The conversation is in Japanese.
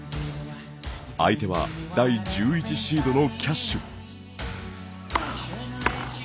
相手は第１１シードのキャッシュ。